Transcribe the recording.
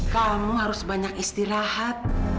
kamu harus banyak istirahat